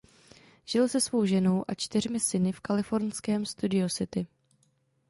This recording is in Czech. Žil se svou ženou a čtyřmi syny v kalifornském Studio City.